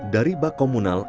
dari bak komunal